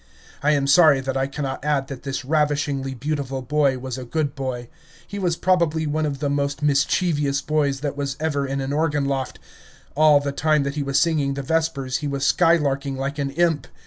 I am sorry that I cannot add that this ravishingly beautiful boy was a good boy. He was probably one of the most mischievous boys that was ever in an organ loft. All the time that he was singing the vespers he was skylarking like an imp.